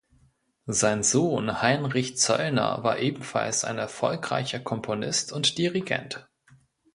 Sein Sohn Heinrich Zöllner war ebenfalls ein erfolgreicher Komponist und Dirigent.